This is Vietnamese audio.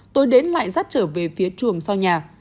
tôi đến lại dắt trở về phía trường sau nhà